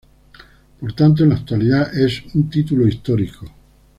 Por tanto, en la actualidad es un título histórico.